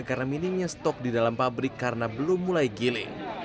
karena minimnya stok di dalam pabrik karena belum mulai giling